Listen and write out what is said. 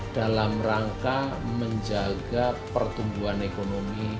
dalam rangka menjaga pertumbuhan ekonomi